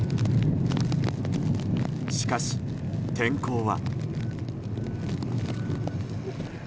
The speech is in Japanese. しかし、天候は。